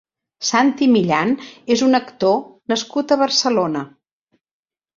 Santi Millán és un actor nascut a Barcelona.